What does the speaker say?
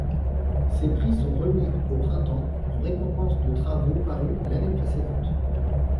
Ces prix sont remis au printemps en récompense de travaux parus l'année précédente.